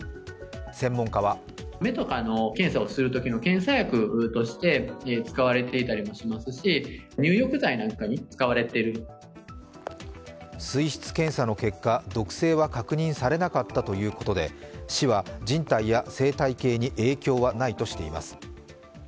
専門家は水質検査の結果、毒性は確認されなかったということで、市は人体や生態系に影響はないとしています。